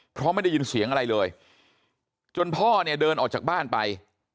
เพราะไม่ได้ยินเสียงอะไรเลยจนพ่อเนี่ยเดินออกจากบ้านไป